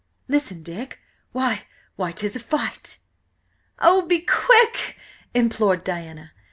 "Listen, Dick!–why–why–'tis a fight!" "Oh, be quick!" implored poor Diana.